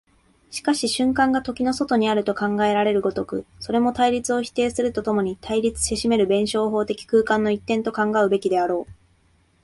しかし瞬間が時の外にあると考えられる如く、それも対立を否定すると共に対立せしめる弁証法的空間の一点と考うべきであろう。